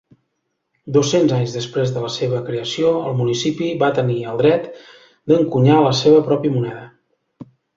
Dos-cents anys després de la seva creació, el municipi va tenir el dret d'encunyar la seva pròpia moneda.